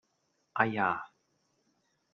哎呀!